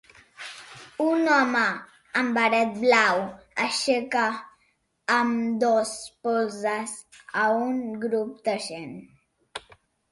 Un home amb barret blau aixeca ambdós polzes a un grup de gent.